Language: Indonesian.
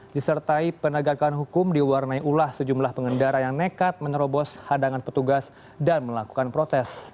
disertai penegakan hukum diwarnai ulah sejumlah pengendara yang nekat menerobos hadangan petugas dan melakukan protes